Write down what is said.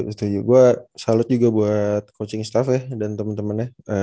setuju gue salut juga buat coaching staff ya dan teman temannya